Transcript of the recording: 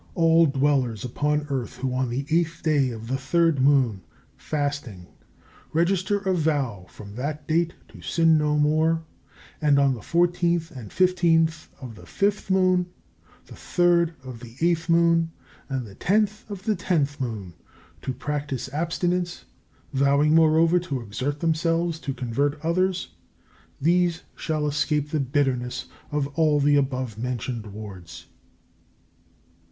All dwellers upon earth who on the 8th day of the 3rd moon, fasting, register a vow from that date to sin no more, and, on the 14th and 15th of the 5th moon, the 3rd of the 8th moon, and the 10th of the 10th moon, to practise abstinence, vowing moreover to exert themselves to convert others, these shall escape the bitterness of all the above mentioned wards.